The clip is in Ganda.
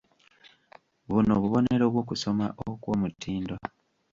Buno bubonero bw'okusoma okw'omutindo.